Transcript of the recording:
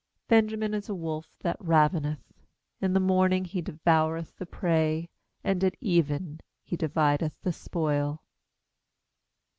27Benjamin is a wolf that raveneth; In the morning he devoureth the prey, And at even he divideth the spoil.'